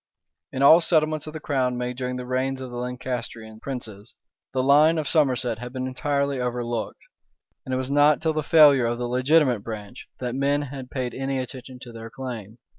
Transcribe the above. [*] In all settlements of the crown made during the reigns of the Lancastrian princes, the line of Somerset had been entirely overlooked; and it was not till the failure of the legitimate branch, that men had paid any attention to their claim.